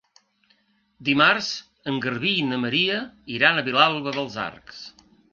Dimarts en Garbí i na Maria iran a Vilalba dels Arcs.